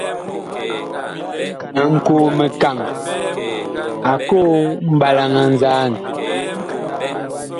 Nkoo-mikaŋ a koo mɓalaŋ a nzaan.